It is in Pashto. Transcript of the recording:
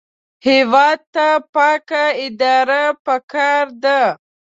هېواد ته پاکه اداره پکار ده